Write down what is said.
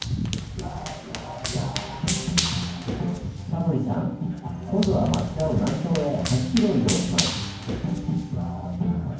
タモリさん今度は町田を南東へ８キロ移動します。